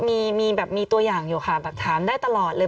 มีตัวอย่างอยู่ค่ะถามได้ตลอดเลย